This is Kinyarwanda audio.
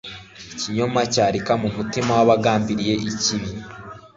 ikinyoma cyarika mu mutima w'abagambiriye ikibi